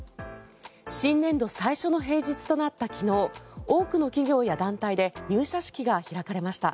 新年度最初の平日となった昨日多くの企業や団体で入社式が開かれました。